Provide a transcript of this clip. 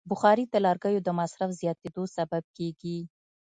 بخاري د لرګیو د مصرف زیاتیدو سبب کېږي.